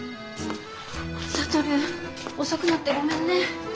智遅くなってごめんね。